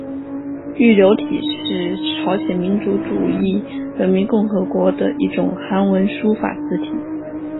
玉流体是朝鲜民主主义人民共和国的一种韩文书法字体。